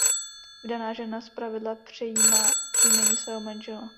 Vdaná žena zpravidla přejímá příjmení svého manžela.